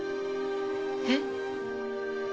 えっ？